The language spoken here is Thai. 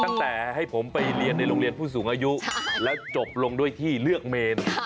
ตั้งแต่ให้ผมไปเรียนในโรงเรียนผู้สูงอายุแล้วจบลงด้วยที่เลือกเมน